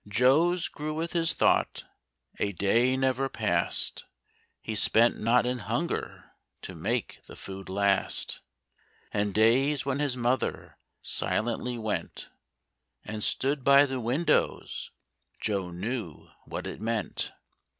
Joe's grew with his thought; a day never passed He spent not in hunger to make the food last; And days when his mother silently went And stood by the windows Joe knew what it meant.